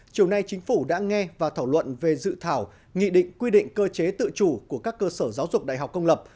chiều nay chính phủ đã nghe và thảo luận về dự thảo nghị định quy định cơ chế tự chủ của các cơ sở giáo dục đại học công lập